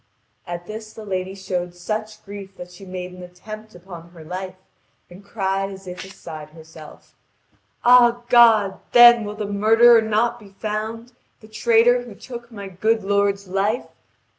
At this the lady showed such grief that she made an attempt upon her life, and cried as if beside herself: "All God, then will the murderer not be found, the traitor who took my good lord's life?